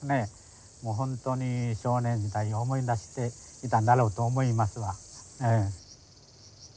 本当に少年時代を思い出していたんだろうと思いますわ。